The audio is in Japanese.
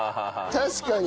確かに。